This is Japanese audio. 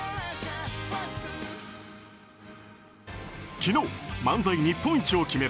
昨日、漫才日本一を決める